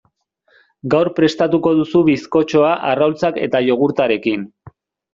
Gaur prestatuko duzu bizkotxoa arrautzak eta jogurtarekin.